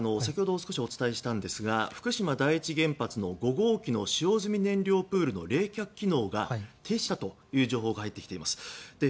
先ほど少しお伝えしたんですが福島第一原発の５号機の使用済み燃料プールの冷却機能が停止したという情報が入ってきています。